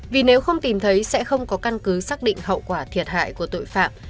vì nếu không tìm thấy sẽ không có căn cứ xác định hậu quả thiệt hại của tội phạm